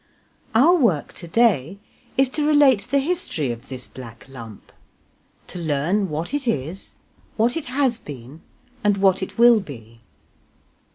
Our work to day is to relate the history of this black lump; to learn what it is, what it has been, and what it will be.